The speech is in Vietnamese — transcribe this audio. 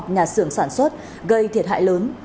trái kho nhà xưởng sản xuất gây thiệt hại lớn